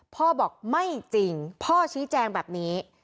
พ่อบอกไม่จริงพ่อชี้แจงแบบนี้